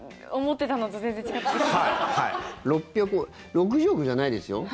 ６０億じゃないですよ？